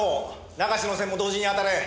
流しの線も同時にあたれ。